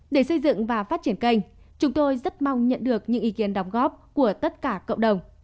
để xây dựng và phát triển kênh chúng tôi rất mong nhận được những ý kiến đóng góp của tất cả cộng đồng